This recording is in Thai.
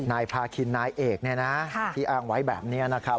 นายพาคินนายเอกที่อ้างไว้แบบนี้นะครับ